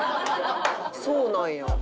そうなんや。